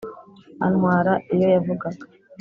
antwara iyo yavugaga